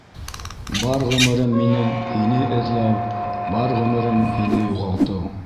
Бар ғүмерем минең — һине эҙләү, Бар ғүмерем һине юғалтыу